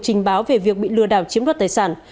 trình báo về việc bị lừa đảo chiếm đoạt tài sản